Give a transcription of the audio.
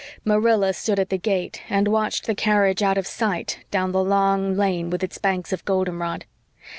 Marilla stood at the gate and watched the carriage out of sight down the long lane with its banks of goldenrod.